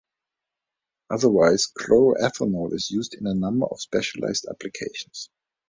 Otherwise chloroethanol is used in a number of specialized applications.